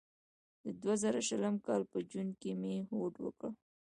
د دوه زره شلم کال په جون کې مې هوډ وکړ.